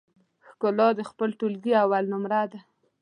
ښکلا د خپل ټولګي اول نمره ده